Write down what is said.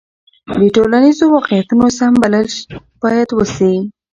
د ټولنیزو واقعیتونو سم بلل باید وسي.